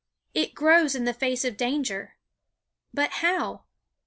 It grows in the face of danger. But how?